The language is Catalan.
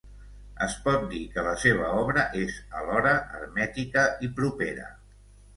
Es pot dir que la seva obra és alhora hermètica i propera.